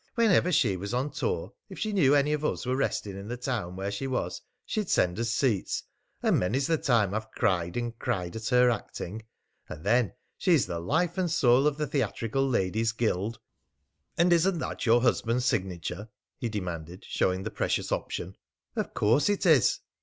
"Whenever she was on tour, if she knew any of us were resting in the town where she was, she'd send us seats. And many's the time I've cried and cried at her acting. And then she's the life and soul of the Theatrical Ladies' Guild." "And isn't that your husband's signature?" he demanded, showing the precious option. "Of course it is."